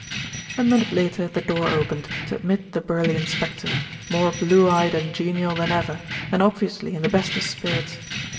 A minute later the door opened to admit the burly inspector, more blue eyed and genial than ever, and obviously in the best of spirits.